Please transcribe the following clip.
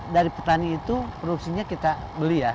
dari petani itu produksinya kita beli ya